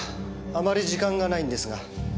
あまり時間がないんですが。